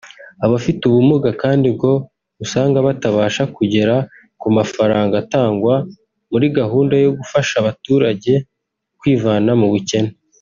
Abafite ubumuga kandi ngo usanga batabasha kugera ku mafaranga atangwa muri gahunda yo gufasha abaturage kwivana mu bukene